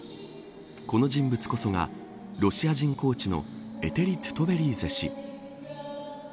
この人物こそがロシア人コーチのエテリ・トゥトベリーゼ氏。